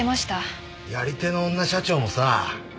やり手の女社長もさ